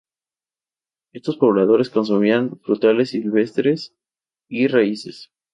Estos pobladores consumían frutales silvestres y raíces.